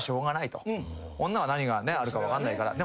女は何があるか分かんないから。